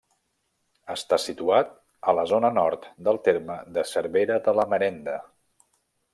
Està situat a la zona nord del terme de Cervera de la Marenda.